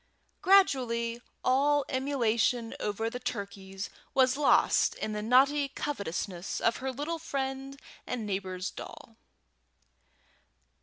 Gradually all emulation over the turkeys was lost in the naughty covetousness of her little friend and neighbour's doll.